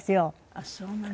ああそうなの。